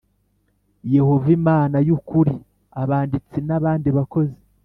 Yehova Imana y, ukuri , abanditsi n,abandi bakozi